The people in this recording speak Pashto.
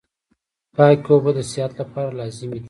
پاکي اوبه د صحت لپاره لازمي دي.